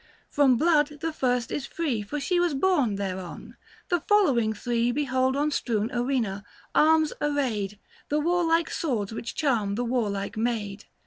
From blood the first is free For she was born thereon : the following three 870 Behold on strewn arena, arms arrayed, The warlike swords which charm the warlike maid.